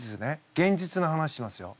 現実の話しますよ。